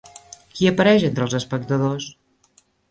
Qui apareix entre els espectadors?